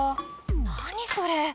何それ？